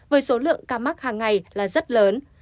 với số lượng ca mắc hàng ngày là rất lớn